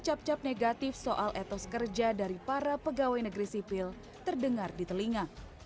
cap cap negatif soal etos kerja dari para pegawai negeri sipil terdengar di telinga